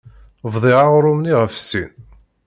Bḍiɣ aɣrum-nni ɣef sin.